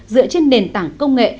dựa trên nền tảng công nghệ